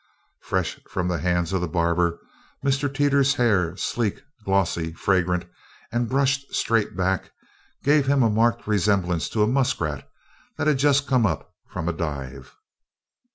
Fresh from the hands of the barber, Mr. Teeters' hair, sleek, glossy, fragrant, and brushed straight back, gave him a marked resemblance to a muskrat that has just come up from a dive.